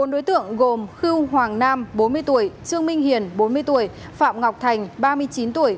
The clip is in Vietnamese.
bốn đối tượng gồm khưu hoàng nam bốn mươi tuổi trương minh hiền bốn mươi tuổi phạm ngọc thành ba mươi chín tuổi